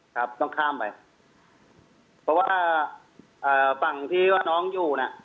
ครับต้องข้ามไปเพราะว่าเอ่อฝั่งที่ว่าน้องอยู่น่ะ